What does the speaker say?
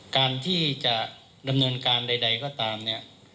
การที่จะดำเนินการใดก็ตามเนี่ย